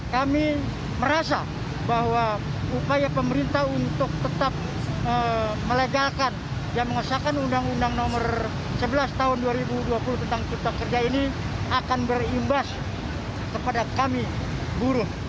kami merasa bahwa upaya pemerintah untuk tetap melegalkan dan mengesahkan undang undang nomor sebelas tahun dua ribu dua puluh tentang cipta kerja ini akan berimbas kepada kami buruh